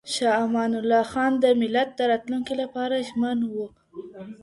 شاه امان الله خان د ملت د راتلونکي لپاره ژمن و.